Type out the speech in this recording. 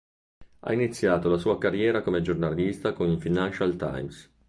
Ha iniziato la sua carriera come giornalista con il "Financial Times".